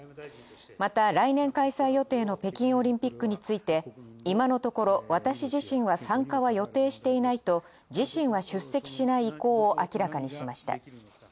また、来年開催予定の北京オリンピックについて「今のところ私自身は参加は予定していない」と自身は出席しない意向を明らかにしました。